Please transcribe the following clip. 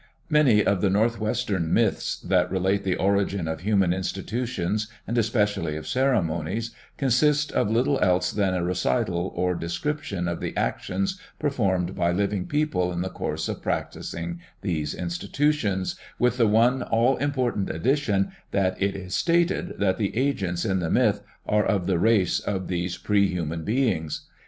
Many of the northwestern myths that relate the origin of human institutions and especially of ceremonies, consist of little else than a recital or description of the actions performed by living people in the course of practicing these institutions, with the one all important addition that it is stated that the agents in the myth are of the race of these prehuman beings.